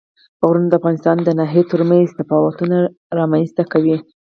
غرونه د افغانستان د ناحیو ترمنځ تفاوتونه رامنځ ته کوي.